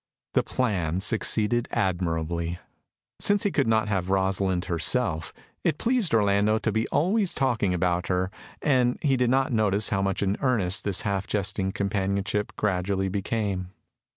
The plan succeeded admirably. Since he could not have Rosalind herself, it pleased Orlando to be always talking about her, and he did not notice how much in earnest this half jesting companionship gradually became.